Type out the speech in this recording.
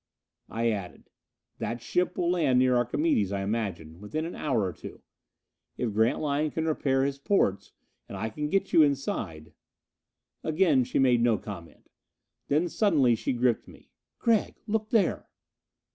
I added, "That ship will land near Archimedes I imagine, within an hour or two! If Grantline can repair his portes, and I can get you inside " Again she made no comment. Then suddenly she gripped me. "Gregg, look there!"